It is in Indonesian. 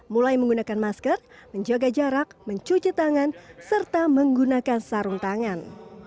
mulai menggunakan masker menjaga jarak mencuci tangan serta menggunakan sarung tangan